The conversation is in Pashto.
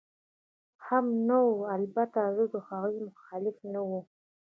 هم نه وه، البته زه د هغوی مخالف نه ووم.